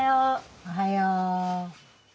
おはよう。